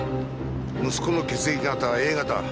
息子の血液型はＡ型。